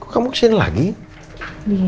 kok kamu kesini lagi